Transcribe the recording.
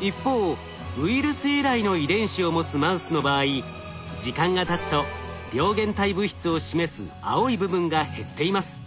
一方ウイルス由来の遺伝子を持つマウスの場合時間がたつと病原体物質を示す青い部分が減っています。